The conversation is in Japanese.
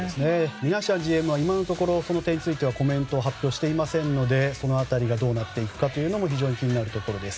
ミナシアンＧＭは今のところ、その点についてはコメントを発表していませんのでその辺りどうなっていくかも非常に気になるところです。